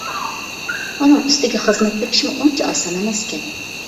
ئۇنىڭ ئۈستىگە خىزمەت تېپىشمۇ ئۇنچە ئاسان ئەمەسكەن.